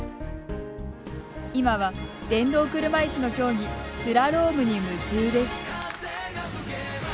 今は電動車いすの競技スラロームに夢中です。